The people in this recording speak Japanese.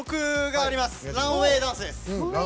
ランウェイダンスです。